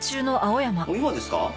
今ですか？